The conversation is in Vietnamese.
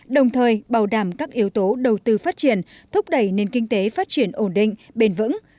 đồng thời bảo đảm các yếu tố đầu tư phát triển thúc đẩy nền kinh tế phát triển ổn định bền vững